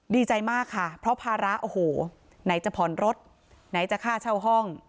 ดีใจมากค่ะเพราะภาระโอ้โหไหนจะผ่อนรถไหนจะค่าเช่าห้อง